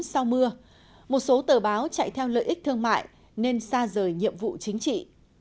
sau mưa một số tờ báo chạy theo lợi ích thương mại nên xa rời nhiệm vụ chính trị